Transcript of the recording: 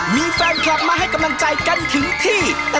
มีแฟนคลับมาให้กำลังใจกันถึงที่